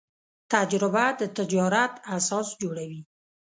تجربه د تجارت اساس جوړوي.